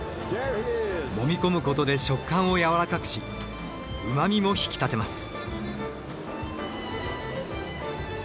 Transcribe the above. もみ込むことで食感をやわらかくしうま味も引き立てます。